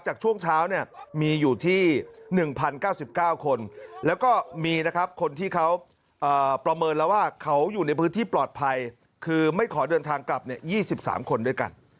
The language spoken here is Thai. ช่วงเช้าเนี่ยมีอยู่ที่๑๐๙๙คนแล้วก็มีนะครับคนที่เขาประเมินแล้วว่าเขาอยู่ในพื้นที่ปลอดภัยคือไม่ขอเดินทางกลับ๒๓คนด้วยกัน